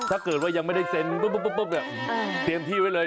ถ้าเกิดว่ายังไม่ได้เซ็นปุ๊บเนี่ยเตรียมที่ไว้เลย